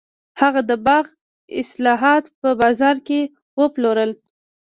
هغه د باغ حاصلات په بازار کې وپلورل.